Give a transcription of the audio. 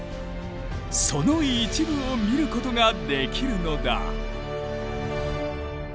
その一部を見ることができるのだ。